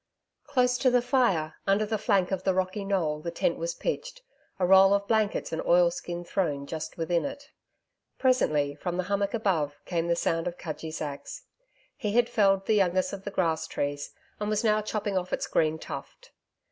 Close to the fire, under the flank of the rocky knoll the tent was pitched, a roll of blankets and oilskin thrown just within it. Presently, from the hummock above came the sound of Cudgee's axe. He had felled the youngest of the grass trees, and was now chopping off its green tuft.